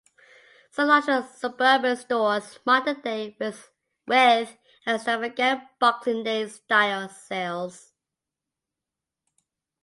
Some larger suburban stores mark the day with extravagant Boxing Day-style sales.